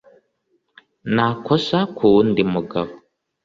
nta kosa ku wundi mugabo